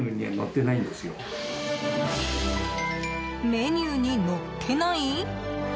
メニューに載ってない？